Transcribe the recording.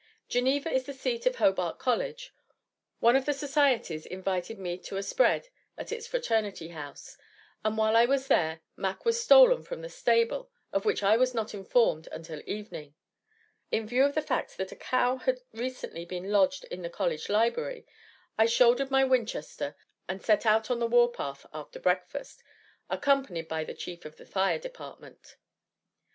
Geneva is the seat of Hobart College. One of the societies invited me to a spread at its fraternity house; and, while I was there, Mac was stolen from the stable, of which I was not informed until evening. In view of the fact that a cow had recently been lodged in the college library, I shouldered my Winchester and set out on the war path after breakfast, accompanied by the Chief of the Fire Department.